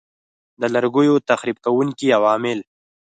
د لرګیو تخریب کوونکي عوامل